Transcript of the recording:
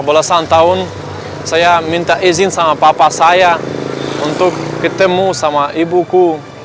belasan tahun saya minta izin sama papa saya untuk ketemu sama ibuku